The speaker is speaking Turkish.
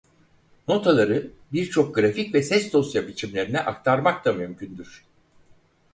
Notaları birçok grafik ve ses dosya biçimlerine aktarmak da mümkündür.